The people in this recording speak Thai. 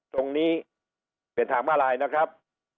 ตรงนี้เป็นทางมาลายนะครับ